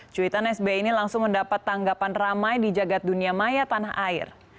cuitan sbi ini langsung mendapat tanggapan ramai di jagad dunia maya tanah air